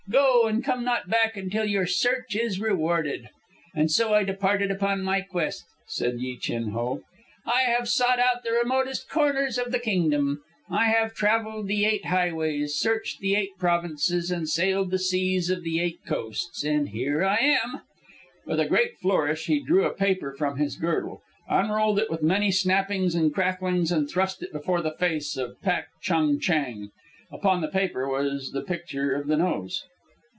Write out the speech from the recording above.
Go, and come not back until your search is rewarded.' "And so I departed upon my quest," said Yi Chin Ho. "I have sought out the remotest corners of the kingdom; I have travelled the Eight Highways, searched the Eight Provinces, and sailed the seas of the Eight Coasts. And here I am." With a great flourish he drew a paper from his girdle, unrolled it with many snappings and cracklings, and thrust it before the face of Pak Chung Chang. Upon the paper was the picture of the nose.